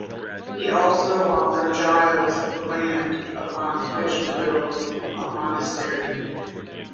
He also offered Giles the land upon which to build a monastery.